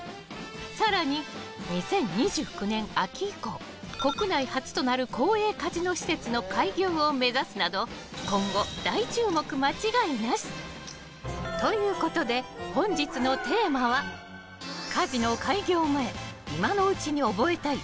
更に、２０２９年秋以降国内初となる公営カジノ施設の開業を目指すなど今後、大注目間違いなし。ということで本日のテーマはカジノ開業前今のうちに覚えたい！